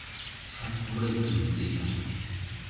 札幌駅に着いた